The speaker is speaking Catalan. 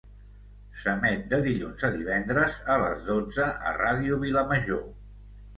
s'emet de dilluns a divendres a les dotze a ràdio Vilamajor